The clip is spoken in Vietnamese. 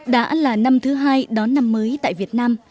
đã là năm thứ hai đón năm mới tại việt nam